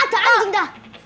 ada anjing dah